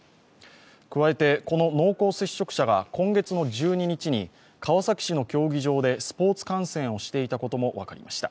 加えて、この濃厚接触者が今月の１２日に川崎市の競技場でスポーツ観戦をしていたことも分かりました。